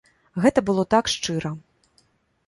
Гэта было так шчыра.